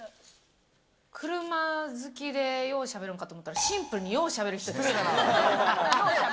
車好きで、ようしゃべるんかと思ったら、シンプルによう、しゃべる人でした。